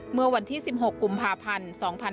เมื่อวันที่๑๖กุมภาพันธ์๒๕๕๙